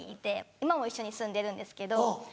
今も一緒に住んでるんですけど。